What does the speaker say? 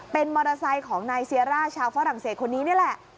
เป็นมอเตอร์ไซค์ของนายเซียร่าชาวฝรั่งเศสคนนี้นี่แหละ